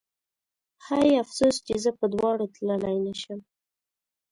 هی افسوس چې زه په دواړو تللی نه شم